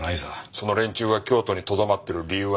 その連中が京都にとどまっている理由はなんだ？